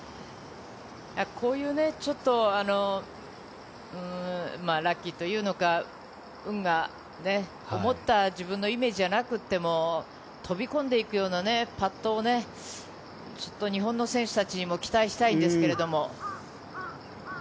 こういうラッキーというのか、思った自分のイメージじゃなくても、飛び込んでいくようなパットを日本の選手たちにも期待したいんですけれども。